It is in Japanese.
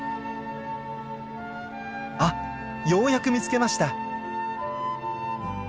あっようやく見つけました！